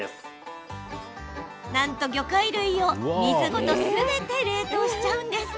なんと魚介類を水ごとすべて冷凍しちゃうんです。